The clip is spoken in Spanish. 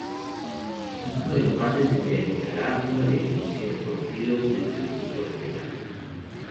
En caso de empate, se realizará una definición con tiros desde el punto penal.